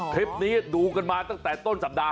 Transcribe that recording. คลิปนี้ดูกันมาตั้งแต่ต้นสัปดาห